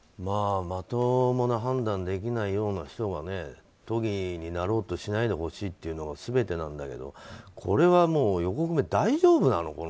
まともな判断ができないような人が都議になろうとしないでほしいというのが全てなんだけどこれはもう、横粂大丈夫なの？